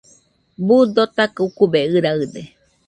Buu dotaka ukube ɨraɨde